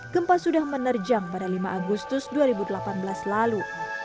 gempa sudah menerjang pada lima agustus dua ribu delapan belas lalu